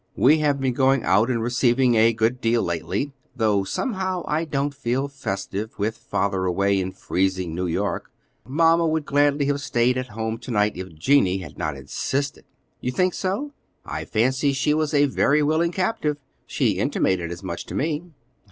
"We have been going out and receiving a good deal lately, though somehow I don't feel festive, with Father away in freezing New York. Mamma would gladly have stayed at home to night if Jennie had not insisted." "You think so? I fancy she was a very willing captive; she intimated as much to me."